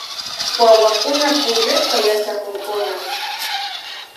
Wawakuna pukllashpa yachakunkuna.